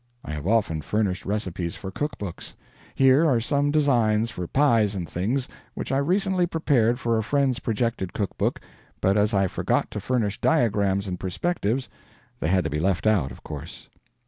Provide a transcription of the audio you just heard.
I have often furnished recipes for cook books. Here are some designs for pies and things, which I recently prepared for a friend's projected cook book, but as I forgot to furnish diagrams and perspectives, they had to be left out, of course.